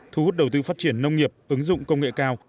thu hút đầu tư phát triển nông nghiệp ứng dụng công nghệ cao